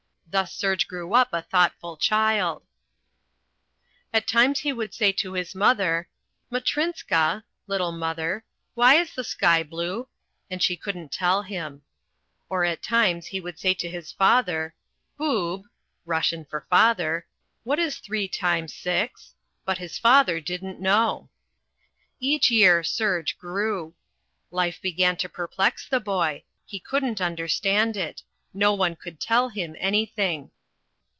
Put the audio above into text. Thus Serge grew up a thoughtful child. At times he would say to his mother, "Matrinska (little mother), why is the sky blue?" And she couldn't tell him. Or at times he would say to his father, "Boob (Russian for father), what is three times six?" But his father didn't know. Each year Serge grew. Life began to perplex the boy. He couldn't understand it. No one could tell him anything.